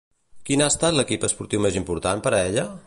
Quin ha estat l'equip esportiu més important, per a ella?